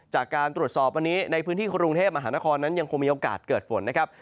จากการตรวจสอบวันนี้ในพื้นที่กรุงเทพมหานครนั้นยังคงมีโอกาสเกิดฝนนะครับ